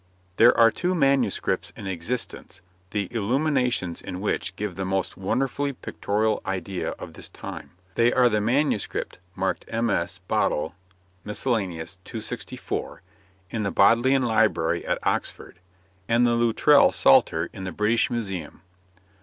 _ There are two manuscripts in existence the illuminations in which give the most wonderfully pictorial idea of this time; they are the manuscript marked MS. Bodl., Misc. 264, in the Bodleian Library at Oxford, and the Loutrell Psalter in the British Museum.